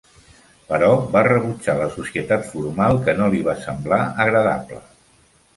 Però va rebutjar la societat formal, que no li va semblar agradable.